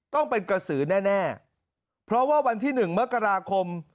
ต้องเป็นกระสือแน่เพราะว่าวันที่๑มกราคม